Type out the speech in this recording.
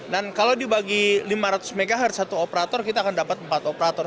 dan kalau dibagi lima ratus mhz satu operator kita akan dapat empat operator